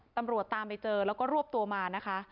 ตามไปเจอแล้วก็รวบตัวมานะคะ